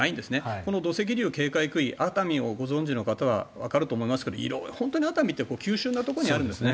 この土石流警戒区域熱海をご存じの方はわかると思いますが本当に熱海って急しゅんなところにあるんですね。